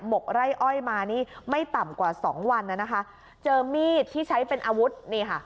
กไร่อ้อยมานี่ไม่ต่ำกว่าสองวันน่ะนะคะเจอมีดที่ใช้เป็นอาวุธนี่ค่ะ